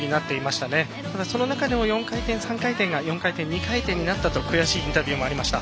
ただ、その中でも４回転３回転が４回転２回転になったと悔しいインタビューもありました。